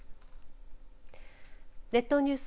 列島ニュース